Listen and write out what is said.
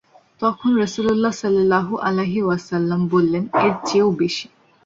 তখন রাসূলুল্লাহ সাল্লাল্লাহু আলাইহি ওয়াসাল্লাম বললেন, এর চেয়েও বেশী।